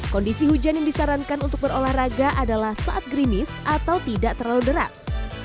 kondisi hujan yang disarankan untuk berolahraga adalah saat grimis atau tidak terlalu deras